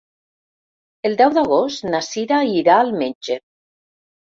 El deu d'agost na Cira irà al metge.